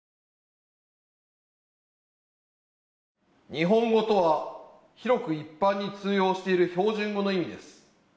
日本語とは、広く一般に通用している標準語の意味です。